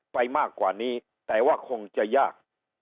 ไปมากกว่านี้แต่ว่าคงจะยาก